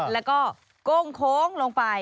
แล้วก็โก้งโค้งลงไป